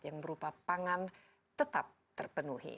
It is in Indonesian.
yang berupa pangan tetap terpenuhi